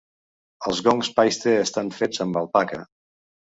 Els gongs Paiste estan fets amb alpaca.